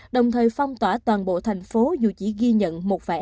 đồng thời phong tỏa toàn bộ thành phố dù chỉ ghi nhận một năm